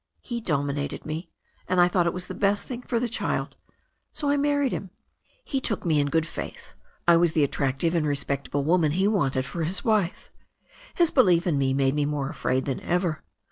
He dominated me, and I thought it was the best thing for the child, so I married him." "He took me in good faith — I was the attractive and re spectable woman he wanted for his wife. His belief in me made me more afraid than ever.